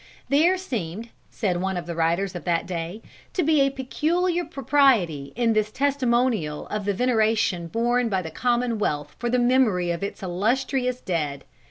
"There seemed," said one of the writers of that day, "to be a peculiar propriety in this testimonial of the veneration borne by the Commonwealth for the memory of its illustrious dead.